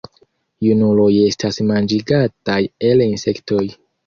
Junuloj estas manĝigataj el insektoj.